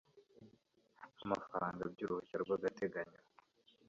amafaranga by uruhushya rwagateganyo